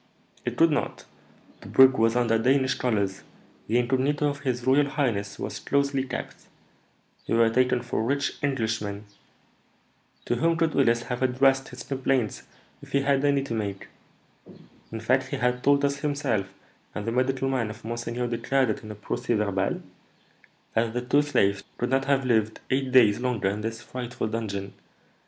"It could not. The brig was under Danish colours; the incognito of his royal highness was closely kept; we were taken for rich Englishmen. To whom could Willis have addressed his complaints, if he had any to make? In fact, he had told us himself, and the medical man of monseigneur declared it in a procès verbal, that the two slaves could not have lived eight days longer in this frightful dungeon.